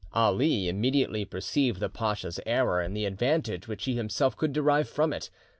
Ali immediately perceived the pacha's error, and the advantage which he himself could derive from it.